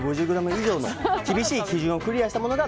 ３５０ｇ以上の厳しい基準をクリアしたものが